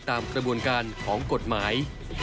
ตามกระบวนการของกฎหมาย